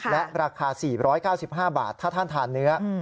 และราคา๔๙๕บาทถ้าท่านทานเนื้อ